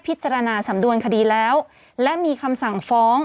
ผู้ต้องหาที่ขับขี่รถจากอายานยนต์บิ๊กไบท์